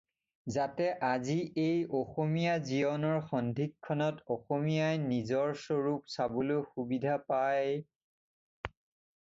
যাতে আজি এই অসমীয়া জীৱনৰ সন্ধিক্ষণত অসমীয়াই নিজৰ স্বৰূপ চাবলৈ সুবিধা পাই